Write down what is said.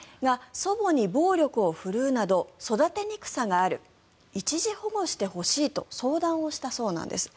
祖母に暴力を振るうなど育てにくさがある一時保護してほしいと相談をしたそうなんです。